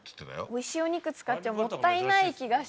おいしいお肉使っちゃもったいない気が。